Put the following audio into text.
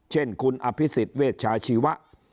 เช่นคุณอภิษฎเวชาชีวะ